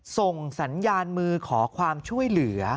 ส่งสัญญาณมือขอความช่วยเหลือ